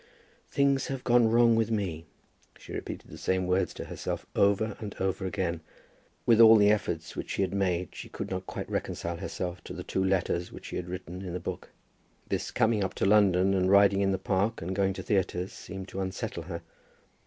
"Things have gone wrong with me." She repeated the same words to herself over and over again. With all the efforts which she had made she could not quite reconcile herself to the two letters which she had written in the book. This coming up to London, and riding in the Park, and going to the theatres, seemed to unsettle her.